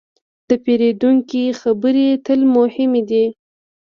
د پیرودونکي خبرې تل مهمې دي.